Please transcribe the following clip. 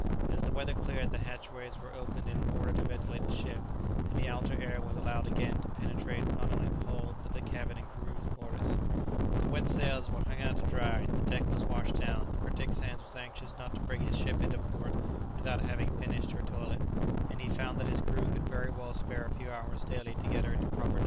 As the weather cleared, the hatchways were opened in order to ventilate the ship, and the outer air was allowed again to penetrate not only the hold, but the cabin and crew's quarters The wet sails were hung out to dry, the deck was washed down, for Dick Sands was anxious not to bring his ship into port without having "finished her toilet," and he found that his crew could very well spare a few hours daily to get her into proper trim.